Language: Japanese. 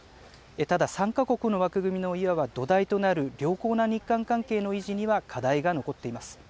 ただ、３か国の枠組みの、いわば土台となる良好な日韓関係の維持には課題が残っています。